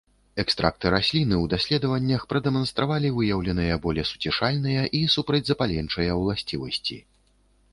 Экстракты расліны ў даследаваннях прадэманстравалі выяўленыя болесуцішальныя і супрацьзапаленчыя ўласцівасці.